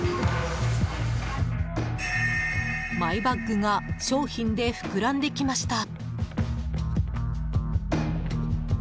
マイバッグが商品で膨らんできました。